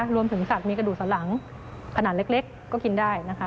รวมถึงสัตว์มีกระดูกสลังขนาดเล็กก็กินได้